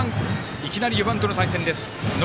いきなり４番との対戦です。